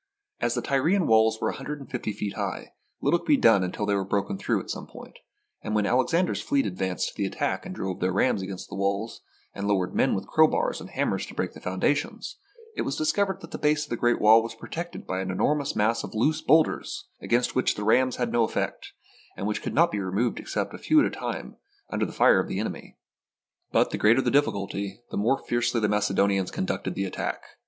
As the Tyrian walls were a hundred and fifty feet high, little could be done until they were broken through at some point, and when Alexander's fleet advanced to the attack and drove their rams against the walls, and lowered men with crowbars and hammers to break the foundations, it was discovered that the base of the great wall was protected by an enor mous mass of loose boulders against which the rams had no effect, and which could not be removed ex cept a few at a time under the fire of the enemy. But the greater the difficulty, the more fiercely the THE BOOK OF FAMOUS SIEGES Macedonians conducted the attack.